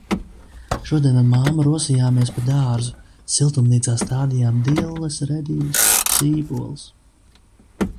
Šodien ar mammu rosījāmies pa dārzu. Siltumnīcā stādījām dilles, redīsus, sīpolus.